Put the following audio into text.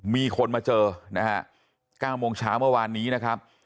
มีคนมาเจอนะฮะ๙โมงเช้าเมื่อวานนี้นะครับ